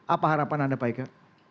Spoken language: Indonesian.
apa harapan anda pak ika